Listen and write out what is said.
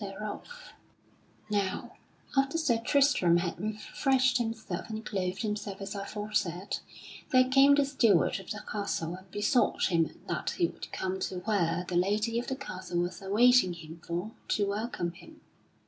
[Sidenote: Sir Tristram meets the lady of the castle] Now after Sir Tristram had refreshed himself and clothed himself as aforesaid, there came the steward of the castle and besought him that he would come to where the lady of the castle was awaiting him for to welcome him.